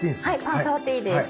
パン触っていいです。